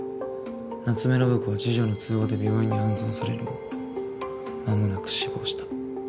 夏目信子は次女の通報で病院に搬送されるも間もなく死亡した。